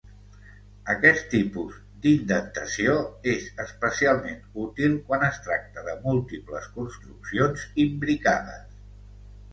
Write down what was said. Aquest tipus d'indentació és especialment útil quan es tracta de múltiples construccions imbricades.